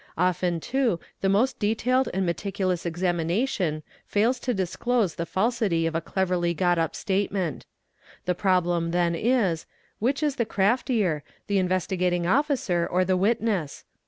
Often _ too the most detailed and meticulous examination fails to disclose the falsity of a cleverly got up statement; the problem then is, which is the _ craftier, the Investigating Officer or the witness?